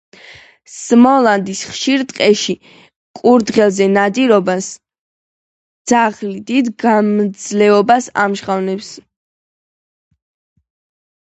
სმოლანდის ხშირ ტყეებში კურდღლებზე ნადირობისას ძაღლი დიდ გამძლეობას ამჟღავნებს.